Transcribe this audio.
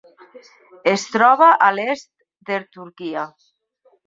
Es troba a l'est de Turquia.